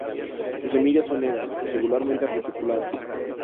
Sus semillas son negras, irregularmente reticuladas.